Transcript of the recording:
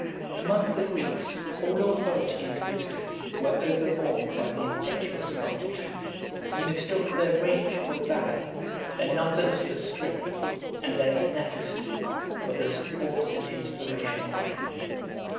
] Among the Greeks, all authority and wisdom were overborne by the impetuous multitude, who mistook their rage for valor, their numbers for strength, and their fanaticism for the support and inspiration of Heaven.